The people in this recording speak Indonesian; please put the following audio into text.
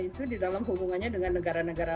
itu di dalam hubungannya dengan negara negara